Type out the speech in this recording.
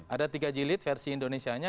ada tiga jilid versi indonesia nya